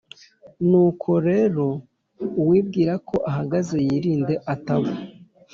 Nuko rero uwibwira ko ahagaze yirinde atagwa